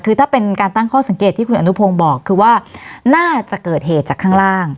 คือถ้าเป็นการตั้งข้อสังเกตที่คุณอนุพงศ์บอกคือว่าน่าจะเกิดเหตุจากข้างล่าง